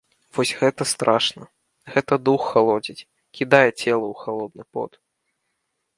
Вось гэта страшна, гэта дух халодзіць, кідае цела ў халодны пот.